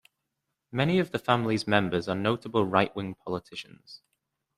Many of the family's members are notable right-wing politicians.